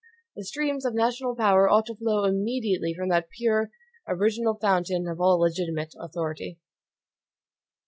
The streams of national power ought to flow immediately from that pure, original fountain of all legitimate authority.